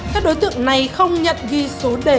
các đối tượng này không nhận ghi số đề